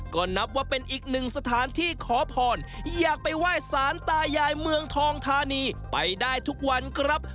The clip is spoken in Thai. ก็นับว่าเป็นอีกหนึ่งสถานที่ขอพรอยากไปไหว้สารตายายเมืองทองธานีไปได้ทุกวันครับ